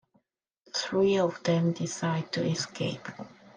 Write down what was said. The three of them decide to escape.